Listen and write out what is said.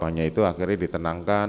hanya itu akhirnya ditenangkan